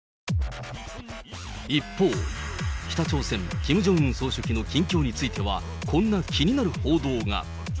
一方、北朝鮮、キム・ジョンウン総書記の近況については、こんな気になる報道が。